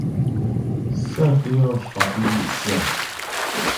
Sɔ̂t yɔ̂ faʼ njʉ̂ʼsyâ.